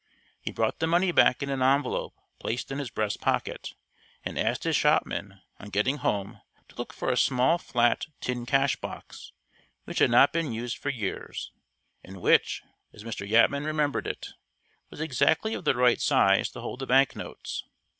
He brought the money back in an envelope placed in his breast pocket, and asked his shopman, on getting home, to look for a small, flat, tin cash box, which had not been used for years, and which, as Mr. Yatman remembered it, was exactly of the right size to hold the bank notes.